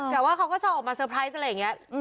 แต่ว่าเขาก็ชอบออกมาเตอร์ไพรส์อะไรอย่างนี้